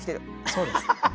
そうです。